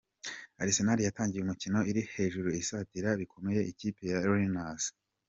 Arsenal yatangiye umukino iri hejuru, isatira bikomeye ikipe ya Rennes.